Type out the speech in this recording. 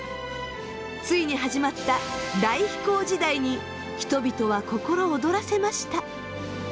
ついに始まった大飛行時代に人々は心躍らせました。